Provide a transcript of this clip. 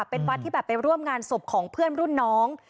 เป็นวัดที่แบบไปร่วมงานศพของเพื่อนรุ่นน้อง